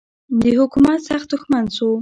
د حکومت سخت دښمن سو.